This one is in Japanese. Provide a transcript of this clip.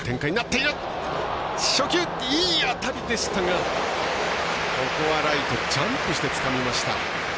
いい当たりでしたがライト、ジャンプしてつかみました。